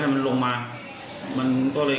เราก็ขับบุญดีหน่อย